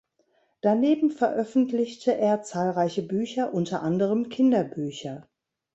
Daneben veröffentlichte er zahlreiche Bücher, unter anderem Kinderbücher.